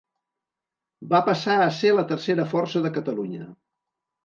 Va passar a ser la tercera força de Catalunya.